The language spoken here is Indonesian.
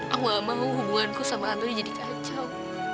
aku gak mau hubunganku sama tantenya jadi kacau